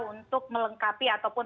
untuk melengkapi ataupun